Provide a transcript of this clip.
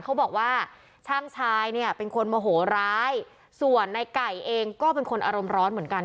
เขาบอกว่าช่างชายเนี่ยเป็นคนโมโหร้ายส่วนในไก่เองก็เป็นคนอารมณ์ร้อนเหมือนกัน